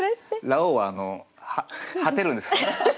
ラオウは果てるんです。